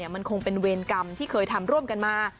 มันคงเป็นเวรกรรมที่เคยทำร่วมกันมา